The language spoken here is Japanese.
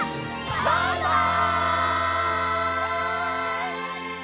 バイバイ！